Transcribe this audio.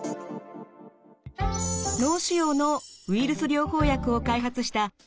脳腫瘍のウイルス療法薬を開発した藤堂具紀さん。